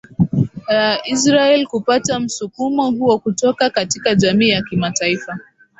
a ya israel kupata msukumo huo kutoka katika jamii ya kimataifa